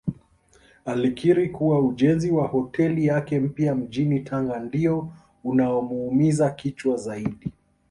Alikiri kuwa ujenzi wa hoteli yake mpya mjini Tanga ndio unaomuumiza kichwa zaidi